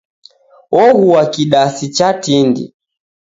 Ogua kidasi cha tindi.